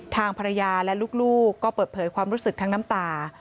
ทางภรรยาและลูกก็เปิดเผยความรู้สึกทั้งน้ำตา